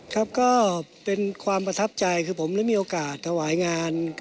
ครับก็เป็นความประทับใจคือผมได้มีโอกาสถวายงาน